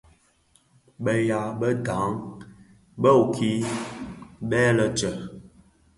Beya bë ndhaň ukibèè lè tsèn.